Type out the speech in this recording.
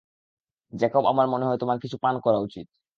Jacob আমার মনে হয় তোমার কিছু পান করা উচিত।